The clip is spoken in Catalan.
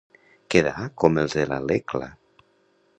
Quedar com els de Iecla.